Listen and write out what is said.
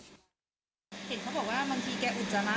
เฮียเฮ่ยเขาบอกว่าบางทีแกอุจระ